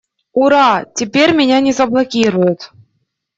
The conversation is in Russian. Ура! Теперь меня не заблокируют!